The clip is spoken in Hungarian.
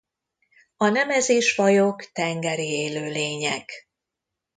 A Nemesis-fajok tengeri élőlények.